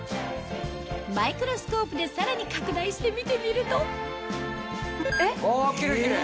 マイクロスコープでさらに拡大して見てみるとあキレイキレイ。